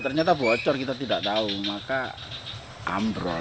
ternyata bocor kita tidak tahu maka ambrol